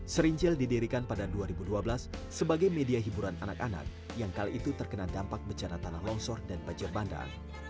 serincil didirikan pada dua ribu dua belas sebagai media hiburan anak anak yang kali itu terkena dampak bencana tanah longsor dan banjir bandang